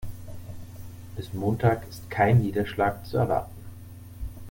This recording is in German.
Bis Montag ist kein Niederschlag zu erwarten.